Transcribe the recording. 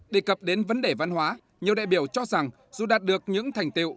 đề cập đến vấn đề văn hóa nhiều đại biểu cho rằng dù đạt được những thành tiệu